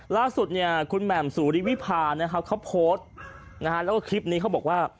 ลาสุดคุณแหม่มสูริวิภาเขาโพสเตรียมละขึ้นว่า